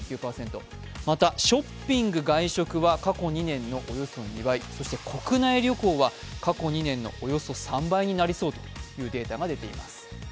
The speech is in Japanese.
またショッピング・外食は過去２年のおよそ２倍、そして国内旅行は過去２年のおよそ３倍となりそうというデータが出ています。